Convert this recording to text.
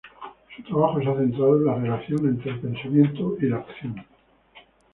Su trabajo se ha centrado en la relación entre el pensamiento y la acción.